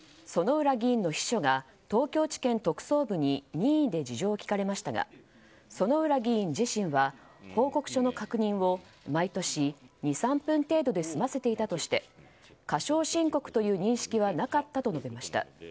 薗浦議員の秘書が東京地検特捜部に任意で事情を聴かれましたが薗浦議員自身は報告書の確認を毎年２３分程度で済ませていたとして過少申告という認識はなかったと述べました。